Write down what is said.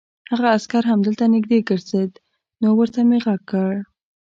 هغه عسکر همدلته نږدې ګرځېد، نو ورته مې غږ وکړ.